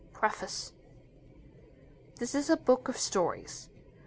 Preface This is a book of stories.